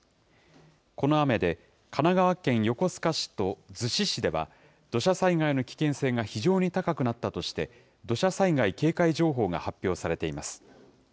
この雨で、神奈川県横須賀市と逗子市では、土砂災害の危険性が非常に高くなったとして、土砂災害警戒情報が発表されています。